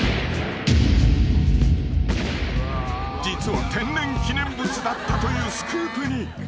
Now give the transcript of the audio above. ［実は天然記念物だったというスクープに］